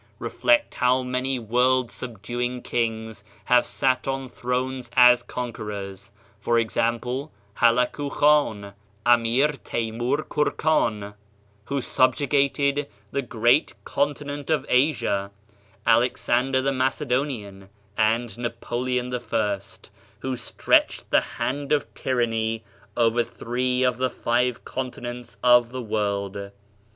Reflect how many world sub duing kings have sat on thrones as conquerors ; for example Halakoo Khan; Ameer Taimoor Koor kan, who subjugated the great continent of Asia ; Alexander the Macedonian; and Napoleon the First, who stretched the hand of tyranny over three of the five continents of the world.